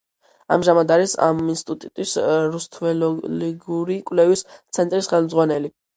ამჟამად არის ამ ინსტიტუტის რუსთველოლოგიური კვლევის ცენტრის ხელმძღვანელი.